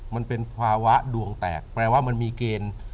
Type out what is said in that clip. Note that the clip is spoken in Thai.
มันเป็นภาวะดวงแตกแปลว่ามันมีเกณฑ์